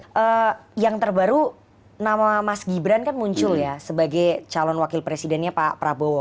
jadi um yang terbaru nama mas gibran kan muncul ya sebagai calon wakil presidennya pak prabowo